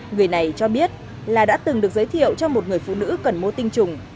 người này cho biết là đã từng được giới thiệu cho một người phụ nữ cần mua tinh trùng